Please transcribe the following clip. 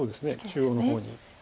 中央の方に。